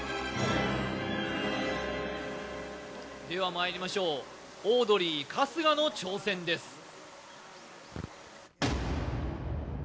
ではまいりましょうオードリー・春日の挑戦です。